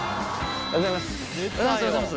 おはようございます。